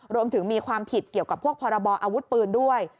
รวมถึงมีความผิดเกี่ยวกับพวกพรบออาวุธปืนด้วย